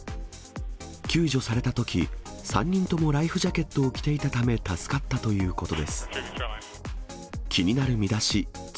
救助されたとき、３人ともライフジャケットを着ていたため助かったということです。